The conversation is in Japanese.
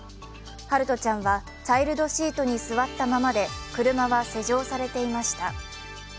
陽翔ちゃんはチャルイドシートに座ったままで車は施錠されていました。